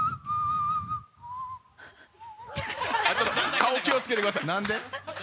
顔、気をつけてください！